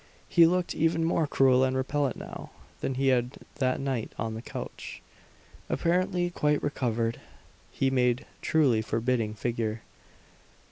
He looked even more cruel and repellant now, than he had that night on the couch. Apparently quite recovered, he made a truly forbidding figure.